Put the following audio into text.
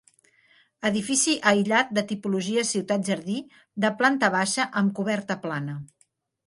Edifici aïllat de tipologia ciutat-jardí de planta baixa amb coberta plana.